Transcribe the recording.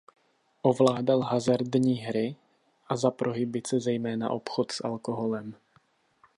Ovládal hazardní hry a za prohibice zejména obchod s alkoholem.